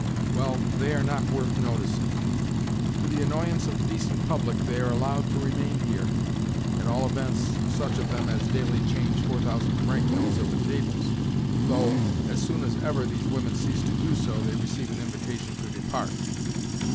"Well, they are not worth noticing. To the annoyance of the decent public they are allowed to remain here—at all events such of them as daily change 4000 franc notes at the tables (though, as soon as ever these women cease to do so, they receive an invitation to depart).